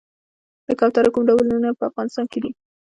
د کوترو کوم ډولونه په افغانستان کې دي؟